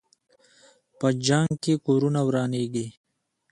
په جنګ کې کورونه ورانېږي.